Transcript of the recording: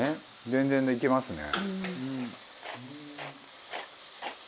全然できますね。